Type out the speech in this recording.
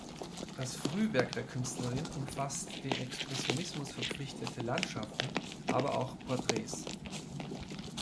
Das Frühwerk der Künstlerin umfasst dem Expressionismus verpflichtete Landschaften, aber auch Porträts.